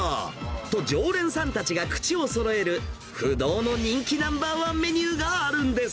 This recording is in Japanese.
と、常連さんたちが口をそろえる不動の人気ナンバーワンメニューがあるんです。